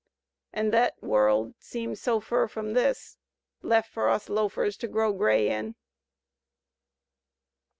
An' thei world seems so fur from this Lef for us loafers to grow gray in!